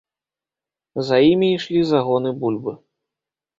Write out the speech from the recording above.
За імі ішлі загоны бульбы.